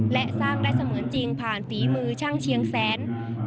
และสร้างได้เสมือนจริงผ่านฝีมือช่างเชียงแสน